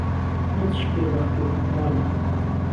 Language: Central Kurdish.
نەت شکێ بهخت و ئیقبال